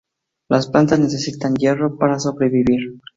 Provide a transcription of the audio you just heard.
Las plantas necesitan hierro para sobrevivir.